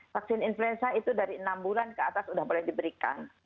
vaksin influenza itu dari enam bulan ke atas sudah boleh diberikan